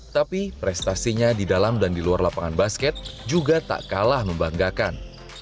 tapi prestasinya di dalam dan di luar lapangan basket juga tak kalah membanggakan